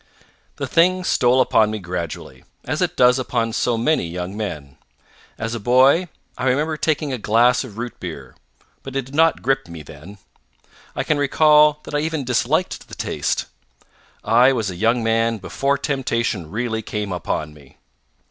The thing stole upon me gradually, as it does upon so many young men. As a boy, I remember taking a glass of root beer, but it did not grip me then. I can recall that I even disliked the taste. I was a young man before temptation really came upon me.